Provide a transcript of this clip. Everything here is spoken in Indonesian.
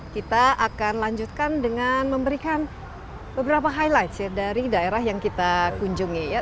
kita akan lanjutkan dengan memberikan beberapa highlight dari daerah yang kita kunjungi ya